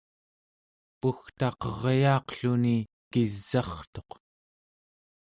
pugtaqeryaaqluni kis'a’rtuq